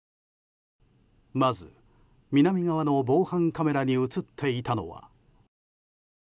まず、南側の防犯カメラに映っていたのは。